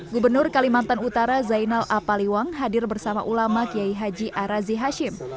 gubernur kalimantan utara zainal apaliwang hadir bersama ulama kiai haji arazi hashim